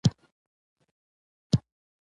هغه به د ټولنيزو او مدني غوښتنو زېږنده وي.